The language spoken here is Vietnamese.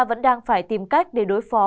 vẫn đang phải tìm cách để đối phó